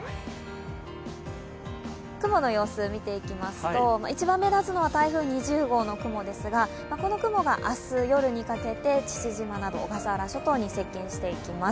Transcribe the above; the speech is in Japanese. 雲の様子を見ていきますと一番目立つのは台風２０号の雲ですが、この雲が明日、夜にかけて父島など小笠原諸島に接近していきます。